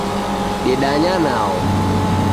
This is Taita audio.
Dedanya nao